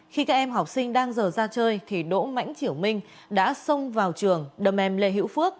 khi các em học sinh đang giờ ra chơi thì đỗ mãnh triều minh đã xông vào trường đâm em lê hữu phước